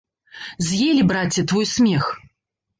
З'елі, браце, твой смех!